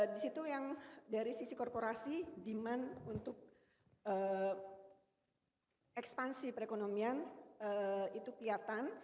di situ yang dari sisi korporasi demand untuk ekspansi perekonomian itu kelihatan